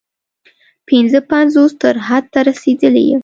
پنځه پنځوس تر حد ته رسېدلی یم.